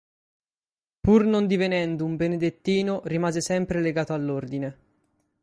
Pur non divenendo un benedettino, rimase sempre legato all'ordine.